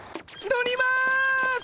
乗ります！